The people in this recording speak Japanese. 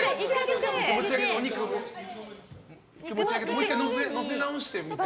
もう１回載せ直してみたら。